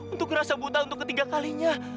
untuk ngerasa buta untuk ketiga kalinya